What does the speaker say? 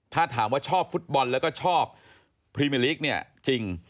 ถ้าถามว่าชอบฟุตบอลแล้วก็ชอบพรีเมอร์ลีกเนี่ยจริง